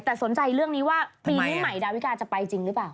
แต่สนใจเรื่องนี้ว่าปีนี้ใหม่ดาวิกาจะไปจริงหรือเปล่า